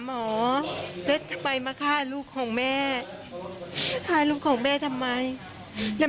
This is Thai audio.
หมอแล้วจะไปมาฆ่าลูกของแม่ฆ่าลูกของแม่ทำไมจะ